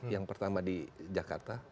yang pertama di jakarta